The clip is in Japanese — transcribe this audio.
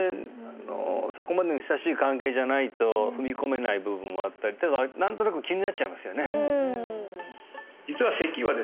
そこまでの親しい関係じゃないと踏み込めない部分はあったりただ何となく気になっちゃいますよね